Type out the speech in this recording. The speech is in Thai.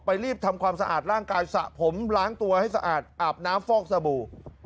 รีบทำความสะอาดร่างกายสระผมล้างตัวให้สะอาดอาบน้ำฟอกสบู่